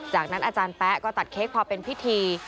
จากนั้นอาจารย์แป๊ะก็ตัดเค้กพอเป็นพิธี